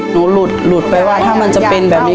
หลุดหลุดไปว่าถ้ามันจะเป็นแบบนี้